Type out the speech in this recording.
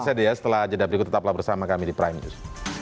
setelah jadab riku tetaplah bersama kami di prime news